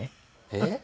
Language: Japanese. えっ？